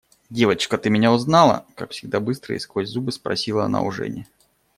– Девочка, ты меня узнала? – как всегда быстро и сквозь зубы, спросила она у Жени.